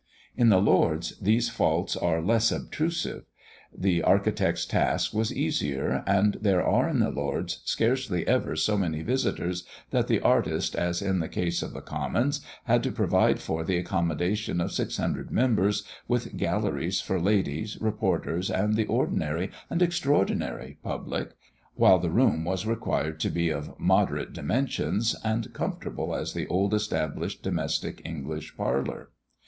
In the Lords these faults are less obtrusive. The architect's task was easier, and there are in the Lords scarcely ever so many visitors, that the artist, as in the case of the Commons, had to provide for the accommodation of six hundred members, with galleries for ladies, reporters, and the ordinary and extraordinary public, while the room was required to be of moderate dimensions, and comfortable as the old established domestic English parlour.